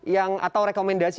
yang atau rekomendasi